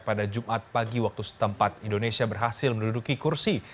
pada jumat pagi waktu setempat indonesia berhasil menduduki kursi